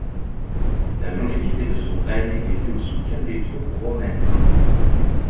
La longévité de son règne est due au soutien des troupes romaines.